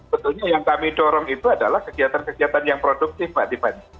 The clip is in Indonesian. betulnya yang kami dorong itu adalah kegiatan kegiatan yang produktif mbak tiffany